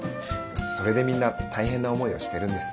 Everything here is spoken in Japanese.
それでみんな大変な思いをしてるんです。